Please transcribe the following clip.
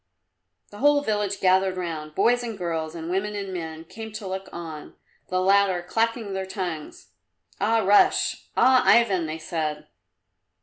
The whole village gathered round boys and girls and women and men came to look on, the latter clacking their tongues. "Ah, Russ! Ah, Ivan!" they said.